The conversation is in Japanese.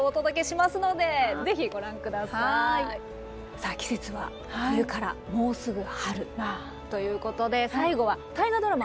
さあ季節は冬からもうすぐ春ということで最後は大河ドラマ